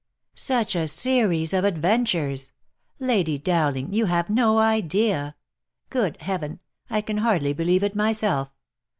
Such a series of adventures ! Lady Dowling, you have no idea ! Good heaven ! I can hardly believe it myself.